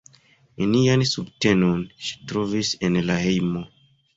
Nenian subtenon ŝi trovis en la hejmo.